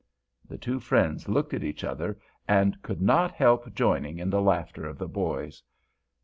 The two friends looked at each other and could not help joining in the laughter of the boys.